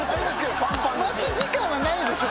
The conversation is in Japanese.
待ち時間はないでしょ